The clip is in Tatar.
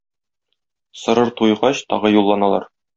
Сорыр туйгач, тагы юлланалар.